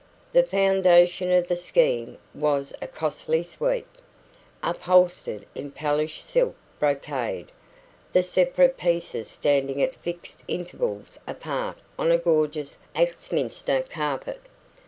The foundation of the scheme was a costly "suite", upholstered in palish silk brocade, the separate pieces standing at fixed intervals apart on a gorgeous Axminster carpet.